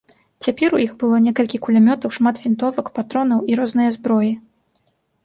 Цяпер у іх было некалькі кулямётаў, шмат вінтовак, патронаў і рознае зброі.